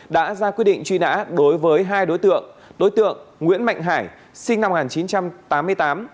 đã ra quyết định truy nã đối với hai đối tượng đối tượng nguyễn mạnh hải sinh năm một nghìn chín trăm tám mươi tám